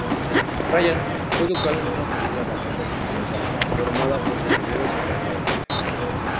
Ryan fue educado en una familia bastante religiosa formada por misioneros y pastores.